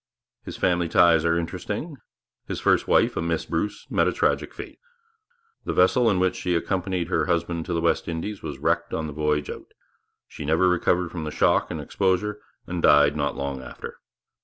His family ties are interesting. His first wife, a Miss Bruce, met a tragic fate. The vessel in which she accompanied her husband to the West Indies was wrecked on the voyage out; she never recovered from the shock and exposure, and died not long after.